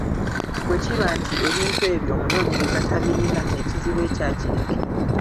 Bwe kiba nti ebintu ebyo omunoonyereza tabirina, ekizibu ekyo akireke.